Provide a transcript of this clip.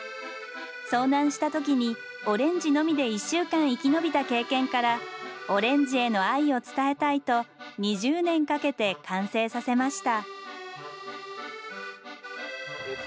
遭難した時にオレンジのみで１週間生き延びた経験からオレンジへの愛を伝えたいと２０年かけて完成させました。